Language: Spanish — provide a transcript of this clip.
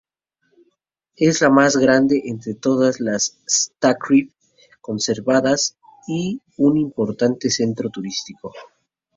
Es la más grande entre todas las stavkirke conservadas y un importante centro turístico.